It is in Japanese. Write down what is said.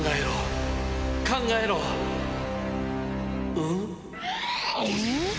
うん？